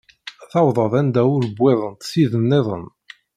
Tewḍeḍ anda ur wwiḍent tid nniḍen.